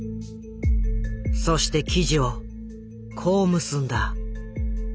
そして記事をこう結んだ。